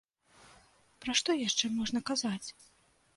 Пра што яшчэ можна казаць?